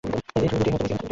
এই ঝুঁকি নিতেই হচ্ছে।